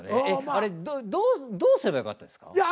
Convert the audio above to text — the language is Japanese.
えっあれどうすればよかったですか？